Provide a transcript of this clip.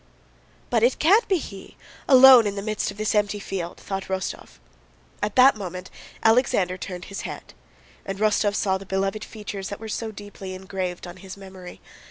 "But it can't be he, alone in the midst of this empty field!" thought Rostóv. At that moment Alexander turned his head and Rostóv saw the beloved features that were so deeply engraved on his memory.